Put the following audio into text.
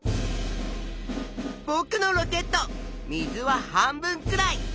ぼくのロケット水は半分くらい。